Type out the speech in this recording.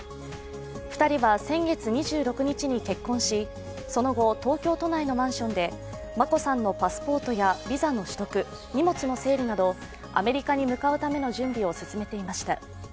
２人は先月２６日に結婚し、その後、東京都内のマンションで眞子さんのパスポートやビザの取得荷物の整理などアメリカに向かうための準備を進めていました。